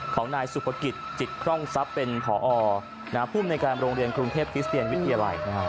ของนายสุภกิจจิตคร่องทรัพย์เป็นผอภูมิในการโรงเรียนกรุงเทพคิสเตียนวิทยาลัย